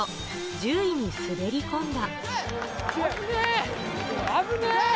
１０位に滑り込んだ。